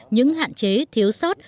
những hạn chế thiếu sót